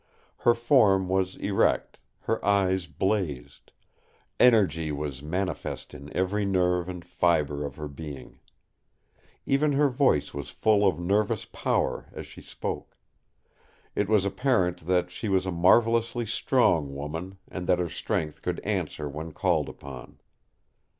Her form was erect, her eyes blazed; energy was manifest in every nerve and fibre of her being. Even her voice was full of nervous power as she spoke. It was apparent that she was a marvellously strong woman, and that her strength could answer when called upon.